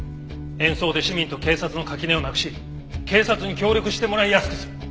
演奏で市民と警察の垣根をなくし警察に協力してもらいやすくする。